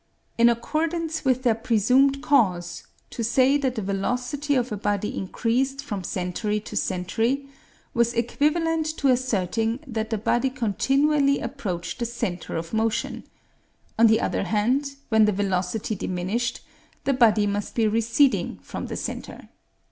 In accordance with their presumed cause, to say that the velocity of a body increased from century to century was equivalent to asserting that the body continually approached the centre of motion; on the other hand, when the velocity diminished, the body must be receding from the centre.